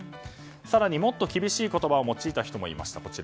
更にもっと厳しい言葉を用いた人もいました。